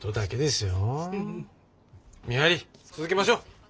見張り続けましょう。